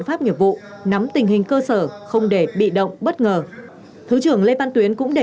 pháp nghiệp vụ nắm tình hình cơ sở không để bị động bất ngờ thứ trưởng lê văn tuyến cũng đề